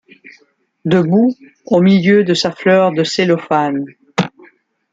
Debout au milieu de sa fleur de cellophane.